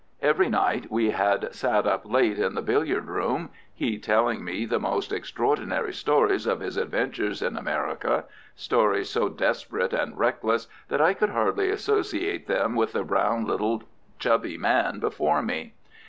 Every night we had sat up late in the billiard room, he telling me the most extraordinary stories of his adventures in America—stories so desperate and reckless, that I could hardly associate them with the brown little, chubby man before me.